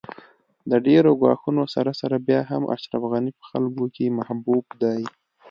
د ډېرو ګواښونو سره سره بیا هم اشرف غني په خلکو کې محبوب دی